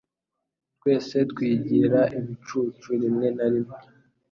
Twese twigira ibicucu rimwe na rimwe.